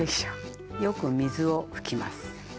よく水を拭きます。